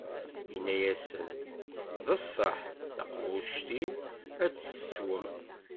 Inna-asen: D ṣṣeḥḥ, taqbuct-iw, a tt-teswem.